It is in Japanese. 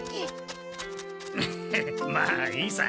まあいいさ。